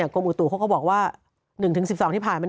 กรมอุตุเขาก็บอกว่า๑๑๒ที่ผ่านมา